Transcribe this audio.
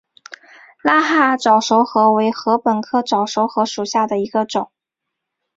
拉哈尔早熟禾为禾本科早熟禾属下的一个种。